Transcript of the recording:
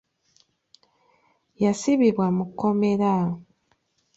Yasibibwa mu kkomera.